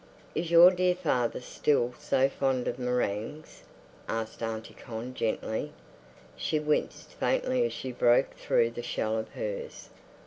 "Is your dear father still so fond of meringues?" asked Auntie Con gently. She winced faintly as she broke through the shell of hers.